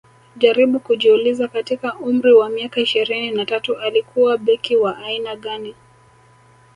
jaribu kujiuliza katika umri wa miaka ishirini na tatu alikuwa beki wa aina gani